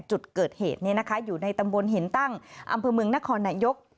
จุดเกิดเหตุอยู่ในตำบลหินตั้งอำเภอเมืองนครนายก